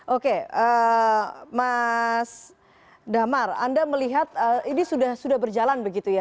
oke mas damar anda melihat ini sudah berjalan begitu ya